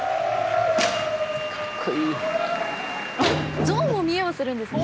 あっ象も見得をするんですね。